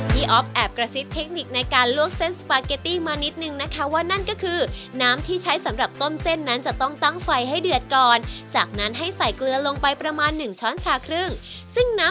อ๊อฟแอบกระซิบเทคนิคในการลวกเส้นสปาเกตตี้มานิดนึงนะคะว่านั่นก็คือน้ำที่ใช้สำหรับต้มเส้นนั้นจะต้องตั้งไฟให้เดือดก่อนจากนั้นให้ใส่เกลือลงไปประมาณหนึ่งช้อนชาครึ่งซึ่งน้ำ